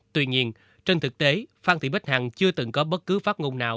tuy nhiên trên thực tế phan thị bích hằng chưa từng có bất cứ phát ngôn nào